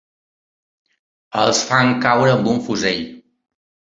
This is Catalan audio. Els fan caure amb un fusell.